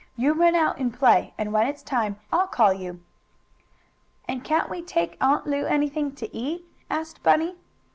"You run out and play, and when it's time, I'll call you." "And can't we take Aunt Lu anything to eat?" asked Bunny.